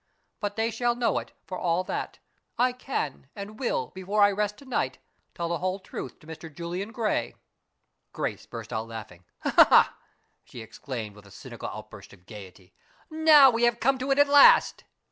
But they shall know it, for all that. I can, and will, before I rest to night, tell the whole truth to Mr. Julian Gray." Grace burst out laughing. "Aha!" she exclaimed, with a cynical outburst of gayety. "Now we have come to it at last!"